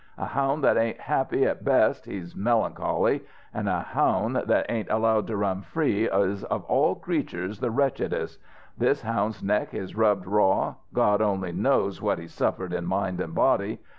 A houn' that ain't happy at best, he's melancholy; an' a houn' that ain't allowed to run free is of all critters the wretchedest. This houn's neck is rubbed raw. God only knows what he's suffered in mind an' body.